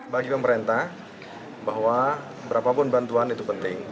bagi pemerintah bahwa berapapun bantuan itu penting